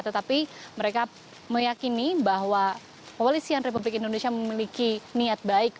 tetapi mereka meyakini bahwa polisian republik indonesia memiliki niat baik